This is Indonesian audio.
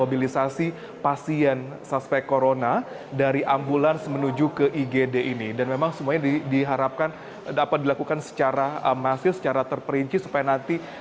baik dari bagaimana